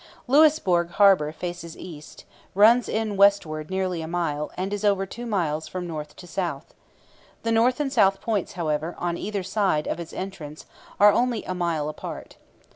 Louisbourg harbour faces east, runs in westward nearly a mile, and is over two miles from north to south. The north and south points, however, on either side of its entrance, are only a mile apart.